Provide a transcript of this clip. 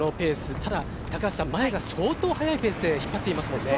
ただ高橋さん、前が相当速いペースで引っ張っていますもんね。